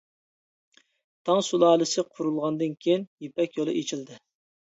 تاڭ سۇلالىسى قۇرۇلغاندىن كېيىن، يىپەك يولى ئېچىلدى.